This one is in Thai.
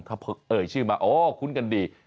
ถ้าเอ่ยชื่อมาอ๋อคุ้นกันดี